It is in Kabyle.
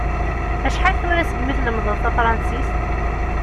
Acḥal tura segmi tlemmdeḍ tafransist?